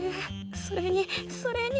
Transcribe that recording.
それにそれに。